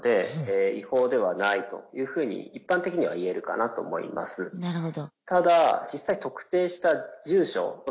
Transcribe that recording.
なるほど。